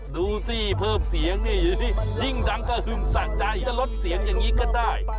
ดูสิเพิ่มเสียงยิ่งดังกระหึ่มสะใจเช่นรถเสียงอย่างนี้ก็ได้